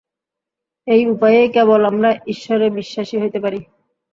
এই উপায়েই কেবল আমরা ঈশ্বরে বিশ্বাসী হইতে পারি।